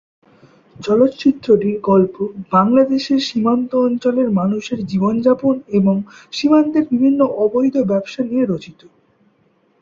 চলচ্চিত্রটির গল্প বাংলাদেশের সীমান্ত অঞ্চলের মানুষের জীবনযাপন এবং সীমান্তের বিভিন্ন অবৈধ ব্যবসা নিয়ে রচিত।